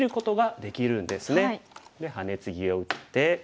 でハネツギを打って。